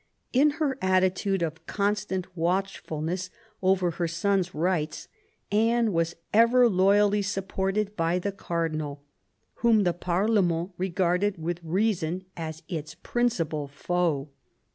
In her attitude of constant watchfulness over her son's rights Anne was ever loyally supported by the cardinal, whom the parlement regarded with reason as its principal foe.